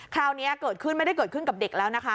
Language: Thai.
คราวนี้เกิดขึ้นไม่ได้เกิดขึ้นกับเด็กแล้วนะคะ